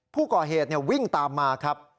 ผู้ก่อเหตุวิ่งตามมาครับ